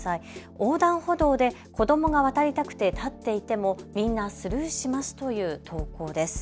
横断歩道で子どもが渡りたくて立っていてもみんなスルーしますという投稿です。